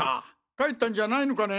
帰ったんじゃないのかね。